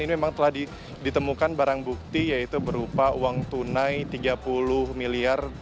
ini memang telah ditemukan barang bukti yaitu berupa uang tunai tiga puluh miliar